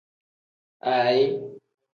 Aayi.